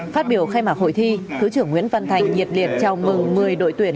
phát biểu khai mạc hội thi thứ trưởng nguyễn văn thành nhiệt liệt chào mừng một mươi đội tuyển